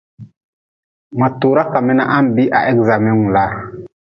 Ma tuura ka mi na ha-n bii ha examengu laa.